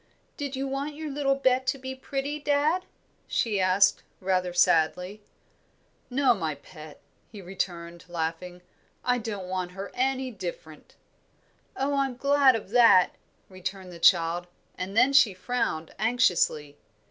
"Did you want your little Bet to be pretty, dad?" she asked, rather sadly. "No, my pet," he returned, laughing. "I don't want her any different." "Oh, I am glad of that," returned the child; and then she frowned, anxiously.